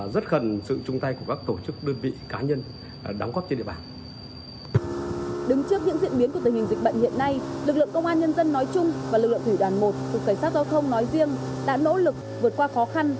cục cảnh sát giao thông nói riêng đã nỗ lực vượt qua khó khăn